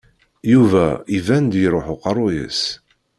Yuba iban-d iṛuḥ uqerru-s.